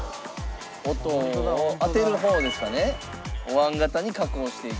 音を当てる方ですかね？